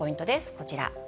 こちら。